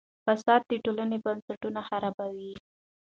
فساد د ټولنې بنسټونه خرابوي.